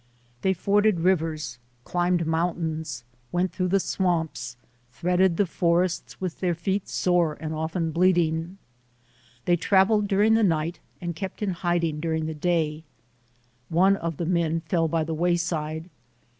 They forded rivers, climbed mountains, went through the swamps, threaded the forests with their feet sore and often bleeding. They traveled during the night and kept in hiding during the day. One of the men fell by the wayside.